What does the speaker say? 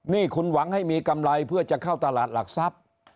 นี่คุณหวังให้มีกำไรเพื่อจะเข้าตลาดหลักทรัพย์